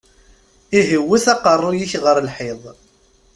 Ihi wwet aqeṛṛu-yik ɣer lḥiḍ!